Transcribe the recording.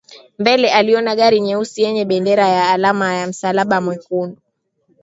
Mbele aliona gari nyeusi yenye bendera ya alama ya msalaba mwekundu